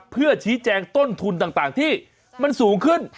เพื่อชี้แจงต้นทุนต่างที่มันสูงขึ้น